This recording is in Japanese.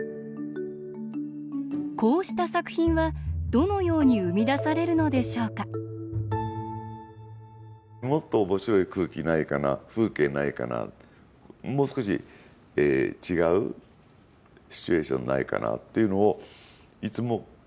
こうした作品は、どのように生み出されるのでしょうかもっとおもしろい空気ないかな、風景ないかなもう少し違うシチュエーションないかなっていつも考えている。